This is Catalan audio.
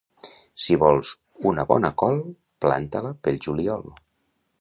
Si vols una bona col, planta-la pel juliol.